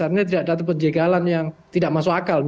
artinya tidak ada penjagalan yang tidak masuk akal